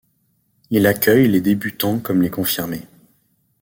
Il accueille les débutants comme les confirmés.